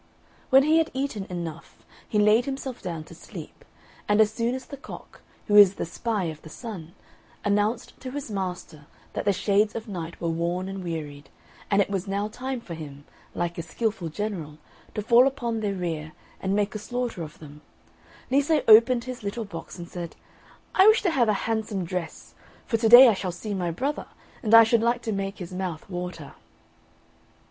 When he had eaten enough, he laid himself down to sleep; and as soon as the Cock, who is the spy of the Sun, announced to his master that the Shades of Night were worn and wearied, and it was now time for him, like a skilful general, to fall upon their rear and make a slaughter of them, Lise opened his little box and said, "I wish to have a handsome dress, for to day I shall see my brother, and I should like to make his mouth water."